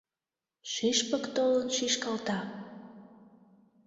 Шӱшпык толын шӱшкалта.